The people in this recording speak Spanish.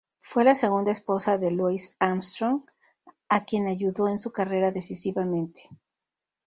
Fue la segunda esposa de Louis Armstrong, a quien ayudó en su carrera decisivamente.